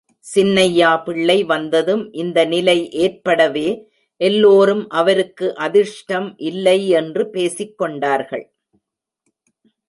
சின்னையா பிள்ளை வந்ததும் இந்த நிலை ஏற்படவே எல்லோரும் அவருக்கு அதிர்ஷ்டம் இல்லையென்று பேசிக் கொண்டார்கள்.